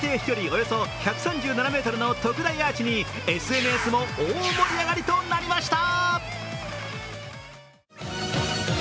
およそ１３７ｍの特大アーチにＳＮＳも大盛り上がりとなりました。